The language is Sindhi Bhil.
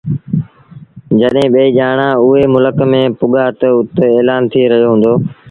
جڏهيݩ ٻئيٚ ڄآڻآݩ اُئي ملڪ ميݩ پُڳآ تا اُت ايلآݩ ٿئي رهيو هُݩدو